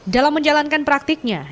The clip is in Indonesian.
dalam menjalankan praktiknya